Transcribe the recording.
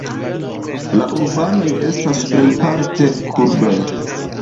La urbanoj estas plejparte kurdoj.